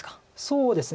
そうですね。